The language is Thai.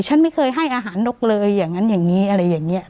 ฉันไม่เคยให้อาหารนกเลยอย่างนั้นอย่างนี้อะไรอย่างนี้